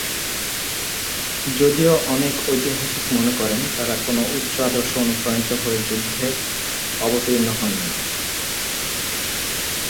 যদিও অনেক ঐতিহাসিক মনে করেন তারা কোনো উচ্চ আদর্শে অনুপ্রাণিত হয়ে যুদ্ধে অবতীর্ণ হননি।